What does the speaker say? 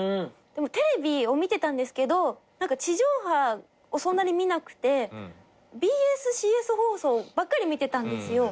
テレビを見てたんですけど地上波をそんなに見なくてＢＳＣＳ放送ばっかり見てたんですよ。